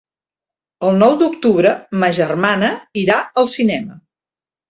El nou d'octubre ma germana irà al cinema.